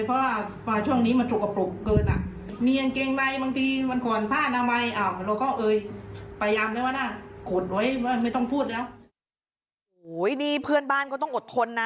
โอ้โหนี่เพื่อนบ้านก็ต้องอดทนนะ